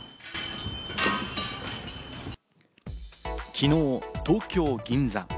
昨日、東京・銀座。